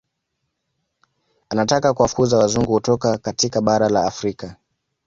Anataka kuwafukuza Wazungu kutoka katika bara la Afrika